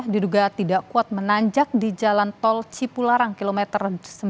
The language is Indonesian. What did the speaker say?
diduga tidak kuat menanjak di jalan tol cipularang kilometer sembilan puluh